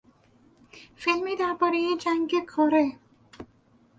فیلمی دربارهی جنگ کره